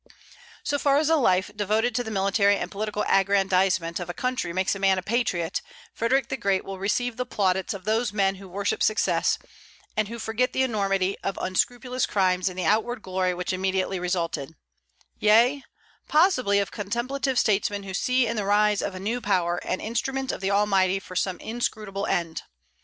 So far as a life devoted to the military and political aggrandizement of a country makes a man a patriot, Frederic the Great will receive the plaudits of those men who worship success, and who forget the enormity of unscrupulous crimes in the outward glory which immediately resulted, yea, possibly of contemplative statesmen who see in the rise of a new power an instrument of the Almighty for some inscrutable end.